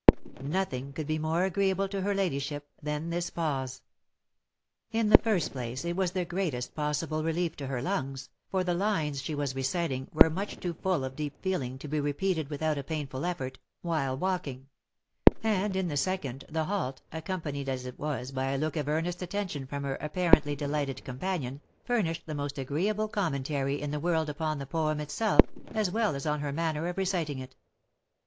Nothing could be more agreeable to her ladyship than this pause. OF MICHAEL ARMSTRONG. 13 In the first place it was the greatest possible relief to her lungs, for the lines she was reciting were much too full of deep feeling to be repeated without a painful effort, while walking; and in the second, the halt, accompanied as it was by a look of earnest attention from her apparently delighted companion, furnished the most agreeable commentary in the world upon the poem itself, as well as on her manner of reciting it.